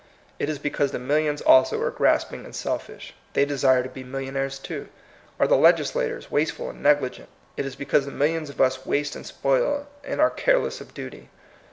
It is because the millions also are grasping and selfish; they desire to be millionnaires too. Are the legislators wasteful and negligent? It is because the millions of us waste and spoil, and are careless of duty.